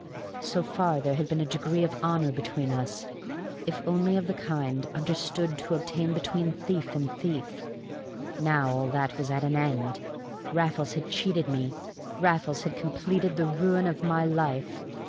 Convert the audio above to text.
So far there had been a degree of honor between us, if only of the kind understood to obtain between thief and thief. Now all that was at an end. Raffles had cheated me. Raffles had completed the ruin of my life.